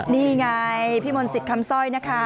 นี่ไงพี่มนศิษย์คำสร้อยนะคะ